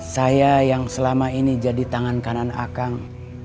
saya yang selama ini jadi tangan kanan akang